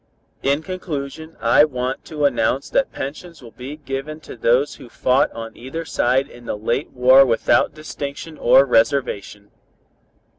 "In conclusion I want to announce that pensions will be given to those who fought on either side in the late war without distinction or reservation.